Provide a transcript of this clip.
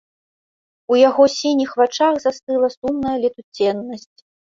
У яго сініх вачах застыла сумная летуценнасць.